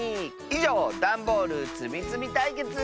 いじょうダンボールつみつみたいけつ。